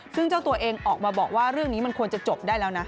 ซึ่งเจ้าตัวเองออกมาบอกว่าเรื่องนี้มันควรจะจบได้แล้วนะ